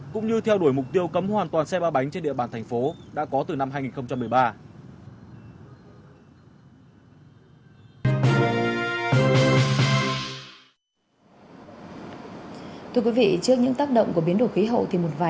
cũng như theo đuổi mục tiêu cấm hoàn toàn xe ba bánh trên địa bàn thành phố đã có từ năm hai nghìn một mươi ba